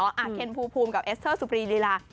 เพราะอาเคนภูมิภูมิกับเอสเตอร์สุปรีรีลีลา